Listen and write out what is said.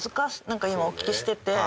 なんか、今、お聞きしてて。